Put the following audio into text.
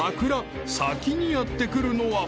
［先にやって来るのは］